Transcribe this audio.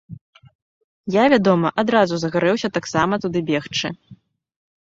Я, вядома, адразу загарэўся таксама туды бегчы.